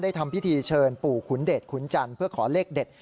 ทำพิธีเชิญปู่ขุนเดชขุนจันทร์เพื่อขอเลขเด็ด